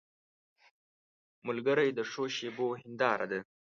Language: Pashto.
ملګری د ښو شېبو هنداره ده